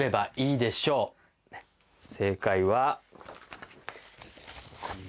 正解は。